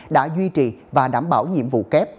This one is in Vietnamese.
đã duy trì và đảm bảo nhiệm vụ kép